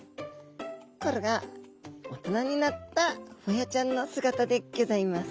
これが大人になったホヤちゃんの姿でギョざいます。